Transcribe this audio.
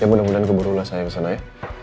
ya mudah mudahan keburu lah saya kesana ya